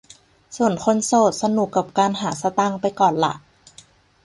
ส่วนคนโสดสนุกกับการหาสตางค์ไปก่อนล่ะ